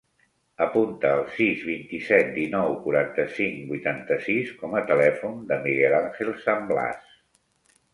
Apunta el sis, vint-i-set, dinou, quaranta-cinc, vuitanta-sis com a telèfon del Miguel àngel Samblas.